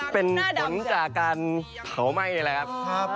เป็นผลจากการเผาไม่เลยครับ